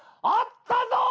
あったぞ！